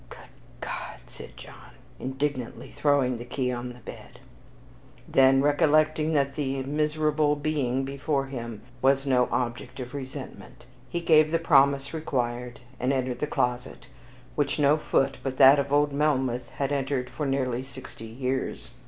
"Good God!" said John, indignantly throwing the key on the bed; then, recollecting that the miserable being before him was no object of resentment, he gave the promise required, and entered the closet, which no foot but that of old Melmoth had entered for nearly sixty years.